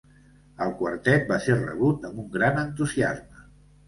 El quartet va ser rebut amb un gran entusiasme.